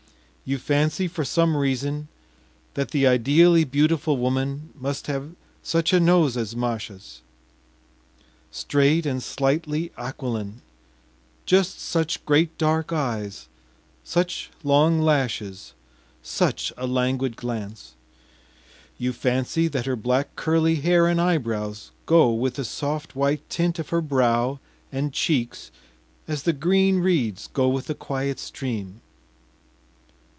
You fancy for some reason that the ideally beautiful woman must have such a nose as Masha’s, straight and slightly aquiline, just such great dark eyes, such long lashes, such a languid glance; you fancy that her black curly hair and eyebrows go with the soft white tint of her brow and cheeks as the green reeds go with the quiet stream.